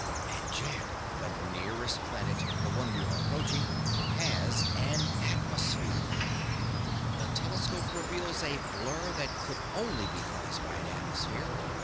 And Jed, the nearest planet, the one we are approaching, has an atmosphere. The telescope reveals a blur that could only be caused by an atmosphere.